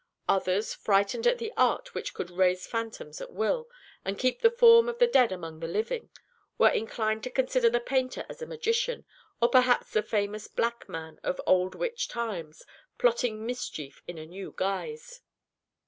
Others, frightened at the art which could raise phantoms at will, and keep the form of the dead among the living, were inclined to consider the painter as a magician, or perhaps the famous Black Man, of old witch times, plotting mischief in a new guise.